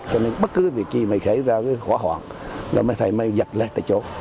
cho nên bất cứ việc gì mà xảy ra khóa hoạn mấy thầy mới dập lại tại chỗ